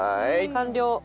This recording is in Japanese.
完了。